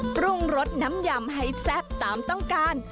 ปรุงรสน้ำยำให้แซ่บตามต้องการ